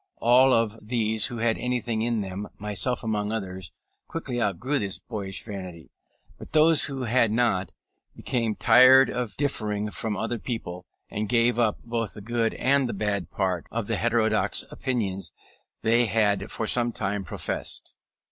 All of these who had anything in them, myself among others, quickly outgrew this boyish vanity; and those who had not, became tired of differing from other people, and gave up both the good and the bad part of the heterodox opinions they had for some time professed.